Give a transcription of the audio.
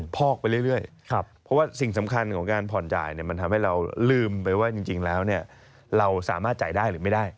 พอกไปเรื่อยเพราะว่าสิ่งสำคัญของการผ่อนจ่ายมันทำให้เราลืมไปว่าจริงแล้วเราสามารถจ่ายได้หรือไม่ได้